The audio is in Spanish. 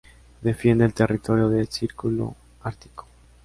Defiende el territorio del círculo ártico.